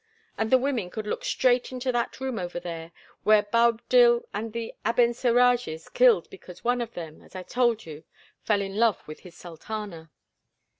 And the women could look straight into that room over there where Boabdil had the Abencerrages killed because one of them, as I told you, fell in love with his sultana.